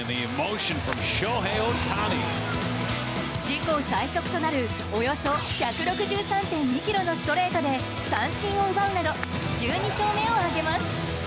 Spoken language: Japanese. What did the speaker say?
自己最速となるおよそ１６３．２キロのストレートで三振を奪うなど１２勝目を挙げます。